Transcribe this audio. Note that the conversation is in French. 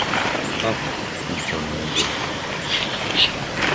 Ah ! fit John Mangles.